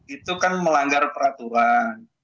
itu kan melanggar peraturan